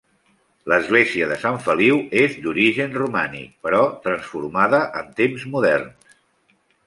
L'Església de Sant Feliu és d'origen romànic però transformada en temps moderns.